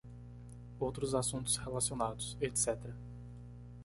Outros assuntos relacionados, etc.